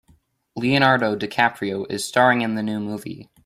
Leonardo DiCaprio is staring in the new movie.